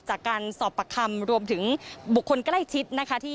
จากการสอบปากคำรวมถึงบุคคลใกล้ชิดนะคะที่